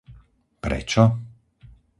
Prečo?